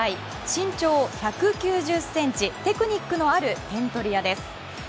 身長１９０ｃｍテクニックのある点取り屋です。